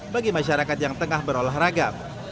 bagi masyarakat yang tengah berolahraga